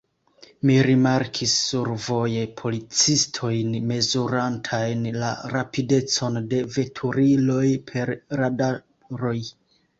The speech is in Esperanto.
Mi rimarkis survoje policistojn mezurantajn la rapidecon de veturiloj per radaroj.